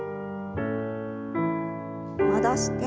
戻して。